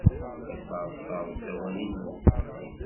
Yesserser usawal-inu.